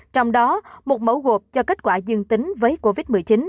trong đó một mẫu gộp cho kết quả dương tính với covid một mươi chín